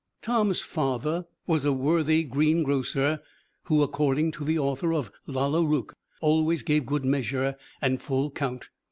Tom's father was a worthy greengrocer who, according to the author of "Lalla Rookh," always gave good measure and full count.